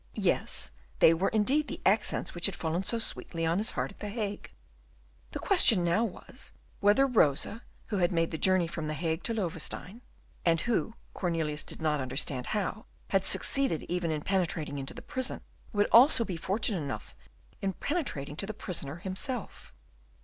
Yes, they were indeed the accents which had fallen so sweetly on his heart at the Hague. The question now was, whether Rosa, who had made the journey from the Hague to Loewestein, and who Cornelius did not understand how had succeeded even in penetrating into the prison, would also be fortunate enough in penetrating to the prisoner himself.